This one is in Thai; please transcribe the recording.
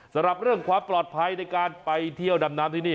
สำหรับเรื่องความปลอดภัยในการไปเที่ยวดำน้ำที่นี่